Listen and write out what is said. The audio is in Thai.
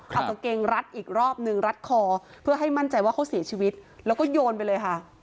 เอากางเกงรัดอีกรอบนึงรัดคอเพื่อให้มั่นใจว่าเขาเสียชีวิตแล้วก็โยนไปเลยค่ะ